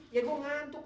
ya gua ngantuk